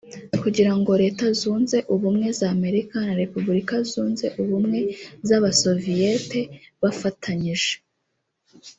kugira ngo Leta zunze ubumwe z’ America na Repubulika zunze ubumwe z’Abasoviyete bafatanyije